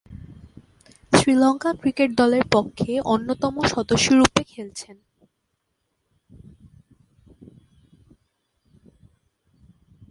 Sri Lanka cricket দলের পক্ষে অন্যতম সদস্যরূপে খেলছেন।